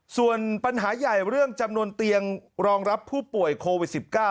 ส่วนปัญหาใหญ่เรื่องจำนวนเตียงรองรับผู้ป่วยโควิด๑๙